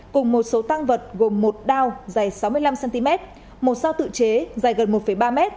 cùng một số tăng vật gồm một đao dày sáu mươi năm cm một sao tự chế dài gần một ba m